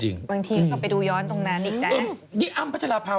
บางทีก็ไปดูย้อนตรงนั้นอีกได้